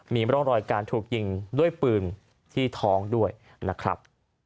มีร่องรอยการถูกยิงด้วยปืนที่ท้องด้วยนะครับ